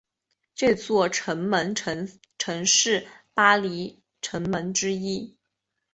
这座城门曾是巴黎城门之一。